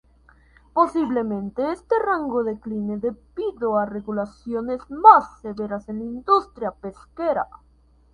Posiblemente este rango decline debido a regulaciones más severas en la industria pesquera.